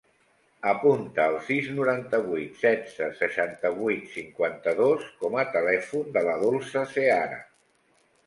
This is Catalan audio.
Apunta el sis, noranta-vuit, setze, seixanta-vuit, cinquanta-dos com a telèfon de la Dolça Seara.